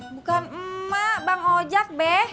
bukan emak bang ojek be